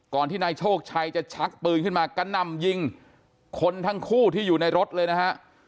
ที่นายโชคชัยจะชักปืนขึ้นมากระหน่ำยิงคนทั้งคู่ที่อยู่ในรถเลยนะฮะ